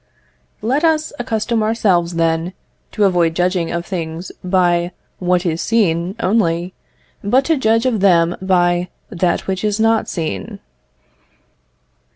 Let us accustom ourselves, then, to avoid judging of things by what is seen only, but to judge of them by that which is not seen.